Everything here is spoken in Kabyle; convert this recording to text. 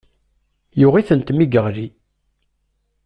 Yuɣ-itent mi yeɣli.